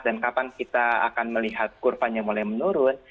dan kapan kita akan melihat kurvanya mulai menurun